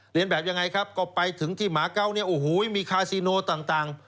เรียนแบบยังไงครับก็ไปถึงที่หมาเกาเนี่ยโอ้โหมีคาซิโนต่าง